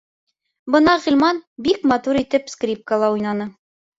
Бына Ғилман бик матур итеп скрипкала уйнаны.